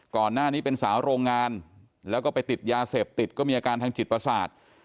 ก่อนหน้านี้เป็นสาวโรงงานแล้วก็ไปติดยาเสพติดก็มีอาการทางจิตประสาท